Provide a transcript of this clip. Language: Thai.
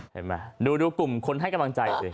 เห็นไหมดูกลุ่มคนให้กำลังใจสิ